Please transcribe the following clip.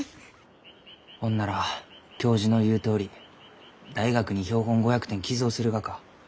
ほんなら教授の言うとおり大学に標本５００点寄贈するがか？